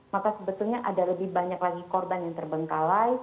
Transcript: maka sebetulnya ada lebih banyak lagi korban yang terbengkalai